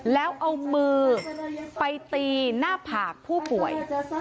แล้วเอามือไปตีหน้าผากผู้ป่วย